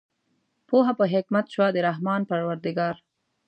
پوهه په حکمت شوه د رحمان پروردګار